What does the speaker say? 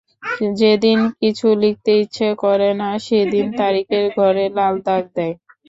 যেদিন কিছু লিখতে ইচ্ছে করে না, সেদিন তারিখের ঘরে লাল দাগ দেয়।